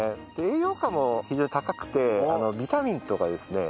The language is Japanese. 栄養価も非常に高くてビタミンとかですね